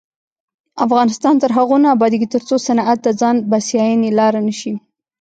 افغانستان تر هغو نه ابادیږي، ترڅو صنعت د ځان بسیاینې لاره نشي.